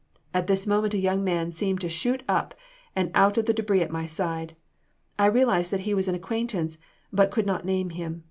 At this moment a young man seemed to shoot up and out of the debris at my side; I realized that he was an acquaintance, but could not name him.